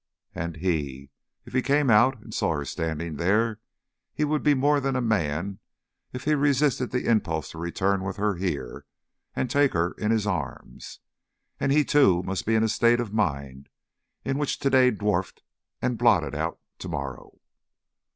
And he? If he came out and saw her standing there, he would be more than a man if he resisted the impulse to return with her here and take her in his arms. And he too must be in a state of mind in which to day dwarfed and blotted out to morrow.